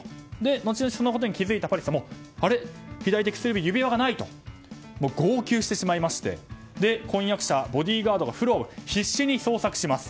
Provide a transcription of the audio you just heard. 後々そのことに気付いたパリスさん左手薬指に指輪がないと号泣してしまいまして婚約者、ボディーガードがフロアを必死に捜索します。